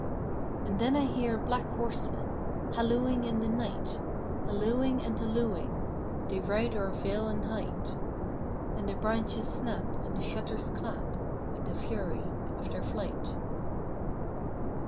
And then I hear black horsemen Hallooing in the night; Hallooing and hallooing, They ride o'er vale and height, And the branches snap and the shutters clap With the fury of their flight.